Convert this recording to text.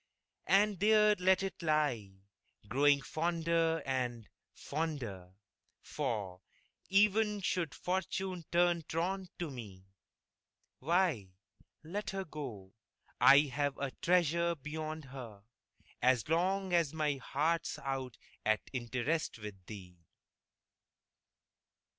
And there let it lie, growing fonder and, fonder For, even should Fortune turn truant to me, Why, let her go I've a treasure beyond her, As long as my heart's out at interest With thee!